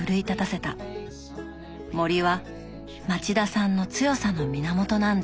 森は町田さんの強さの源なんだ。